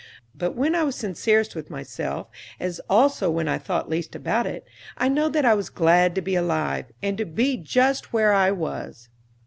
But when I was sincerest with myself, as also when I thought least about it, I know that I was glad to be alive, and to be just where I was.